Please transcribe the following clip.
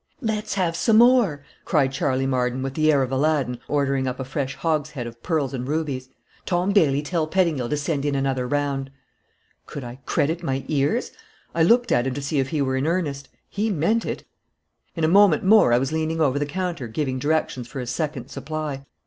"Let's have some more!" cried Charley Marden, with the air of Aladdin ordering up a fresh hogshead of pearls and rubies. "Tom Bailey, tell Pettingil to send in another round." Could I credit my ears? I looked at him to see if he were in earnest. He meant it. In a moment more I was leaning over the counter giving directions for a second supply.